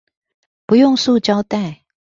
不用塑膠袋